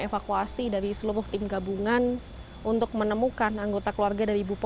evakuasi dari seluruh tim gabungan untuk menemukan anggota keluarga dari bupo